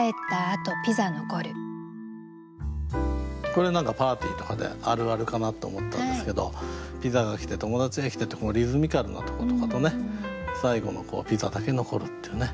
これ何かパーティーとかであるあるかなって思ったんですけど「ピザが来て友達が来て」ってこのリズミカルなとことかとね最後の「ピザだけ残る」っていうね